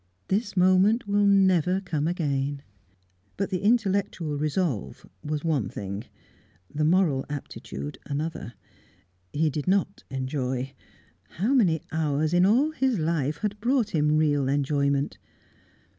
This moment will never come again." But the intellectual resolve was one thing, the moral aptitude another. He did not enjoy; how many hours in all his life had brought him real enjoyment?